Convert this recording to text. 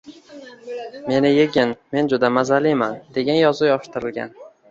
“Meni yegin, men juda mazaliman!”, degan yozuv yopishtirilgan.